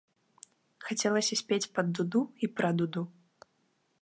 Хацелася спець пад дуду і пра дуду.